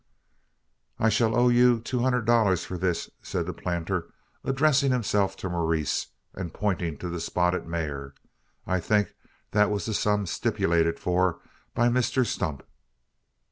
"I shall owe you two hundred dollars for this," said the planter, addressing himself to Maurice, and pointing to the spotted mare. "I think that was the sum stipulated for by Mr Stump."